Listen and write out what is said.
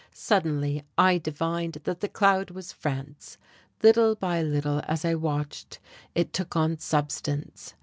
Suddenly I divined that the cloud was France! Little by little, as I watched, it took on substance.